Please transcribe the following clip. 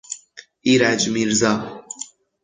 ایرج میرزا